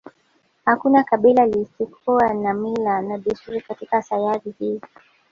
Hakuna kabila lisilokuwa na mila na desturi katika sayari hii